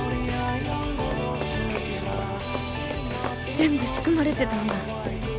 全部仕組まれてたんだ！